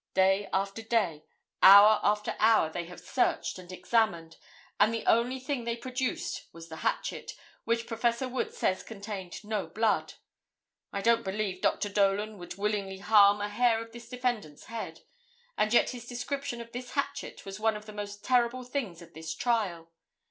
Day after day, hour after hour they have searched and examined, and the only thing they produced was the hatchet, which Prof. Wood says contained no blood. I don't believe Dr. Dolan would willingly harm a hair of this defendant's head, and yet his description of this hatchet was one of the most terrible things of this trial.